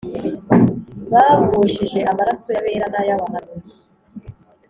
Bavushije amaraso y’abera n’ay’abahanuzi,